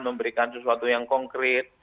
memberikan sesuatu yang konkret